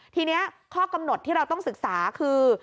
ทีนี้ข้อกำหนดที่เราต้องศึกษาคือ